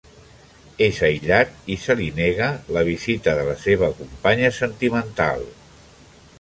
És aïllat i se li nega la visita de la seva companya sentimental.